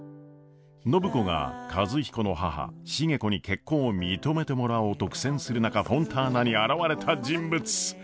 暢子が和彦の母重子に結婚を認めてもらおうと苦戦する中フォンターナに現れた人物。